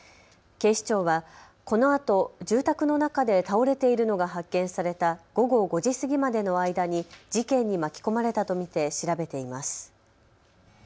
警視庁はこのあと住宅の中で倒れているのが発見された午後５時過ぎまでの間に事件に巻き込まれたと見て調べています。